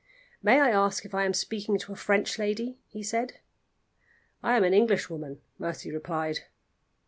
"May I ask if I am speaking to a French lady?" he said. "I am an Englishwoman," Mercy replied.